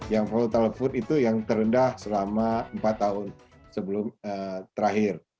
yang volatile food itu yang terendah selama empat tahun sebelum terakhir